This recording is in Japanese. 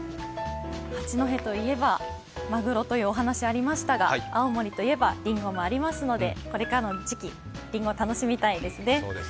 八戸といえばまぐろというお話がありましたが、青森といえば、りんごもありますので、これからの時期りんごを楽しみたいですね。